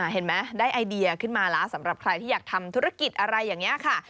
เห็นไหมได้ไอเดียขึ้นมาแล้วสำหรับใครที่อยากทำธุรกิจอะไรอย่างนี้ค่ะ